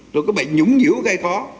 rồi có bệnh nhũng nhũ gây khó